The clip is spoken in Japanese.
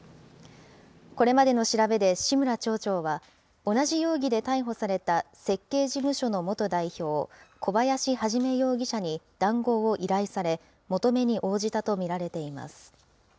これまでの調べで志村町長は、同じ容疑で逮捕された設計事務所の元代表、小林一容疑者に談合を依頼され、求めに応じたと見られています。